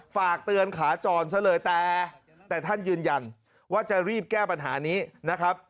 ฝากเตือนขาจรซะเลยแต่ท่านยืนยันว่าจะรีบแก้ปัญหานี้นะครับ